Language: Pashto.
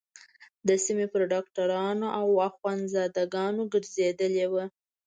د سيمې پر ډاکترانو او اخوندزاده گانو گرځېدلې وه.